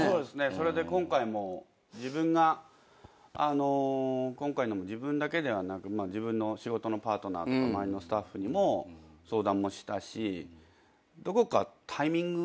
それで今回のも自分だけではなく自分の仕事のパートナーとか周りのスタッフにも相談もしたしどこかタイミングというか。